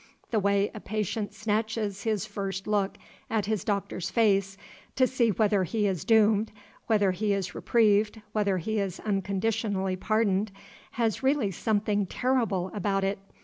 The way a patient snatches his first look at his doctor's face, to see whether he is doomed, whether he is reprieved, whether he is unconditionally pardoned, has really something terrible about it.